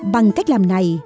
bằng cách làm này